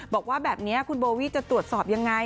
บอกว่าแบบนี้คุณโบวี่จะตรวจสอบยังไง